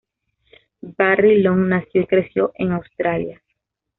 Barry Long nació y creció en Australia.